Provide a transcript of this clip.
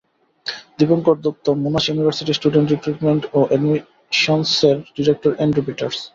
Dipankar Dutta, Monash ইউনিভার্সিটির student recruitment ও এডমিশনসের ডিরেক্টর অ্যান্ড্রু পিটারস।